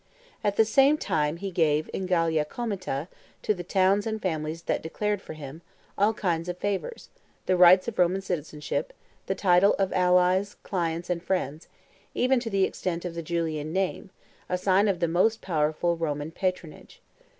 At the same time he gave in Gallia Comata, to the towns and families that declared for him, all kinds of favors, the rights of Roman citizenship, the title of allies, clients, and friends, even to the extent of the Julian name, a sign of the most powerful Roman patronage.